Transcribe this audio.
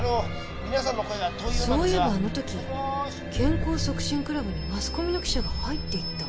そういえばあのとき健康促進クラブにマスコミの記者が入っていった。